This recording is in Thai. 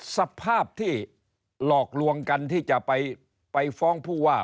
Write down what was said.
สภาพที่หลอกลวงกันที่จะไปฟ้องผู้ว่า